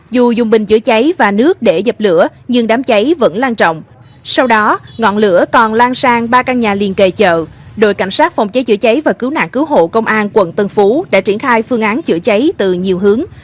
dù dùng bình chữa cháy và nước để dập lửa nhưng đám cháy vẫn lan trọng sau đó ngọn lửa còn lan sang ba căn nhà liên kề chợ đội cảnh sát phòng cháy chữa cháy và cứu nạn cứu hộ công an quận tân phú đã triển khai phương án chữa cháy từ nhiều hướng